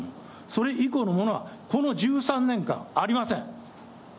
それ以降のものは、この１３年間ありません。